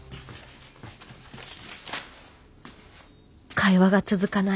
会話が続かない。